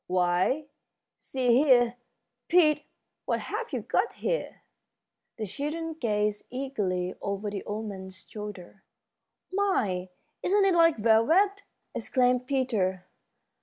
Why, see here, Pete, what have you got here?" The children gazed eagerly over the old man's shoulder. "My, isn't it like velvet!" exclaimed Peter.